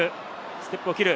ステップを切る。